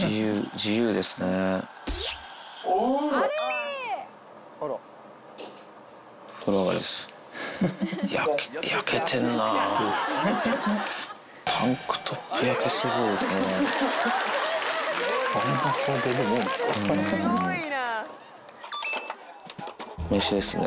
自由ですね。